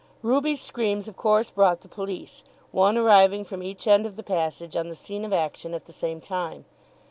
Ruby's screams of course brought the police, one arriving from each end of the passage on the scene of action at the same time.